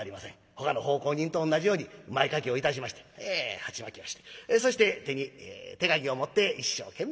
ほかの奉公人と同じように前掛けをいたしまして鉢巻きをしてそして手に手かぎを持って一生懸命に働いております。